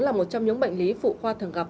là một trong những bệnh lý phụ khoa thường gặp